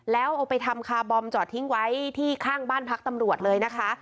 แล้วเอาไปทำคาร์บอมจอดทิ้งไว้ที่ข้างบ้านพักตำรวจเลยนะคะ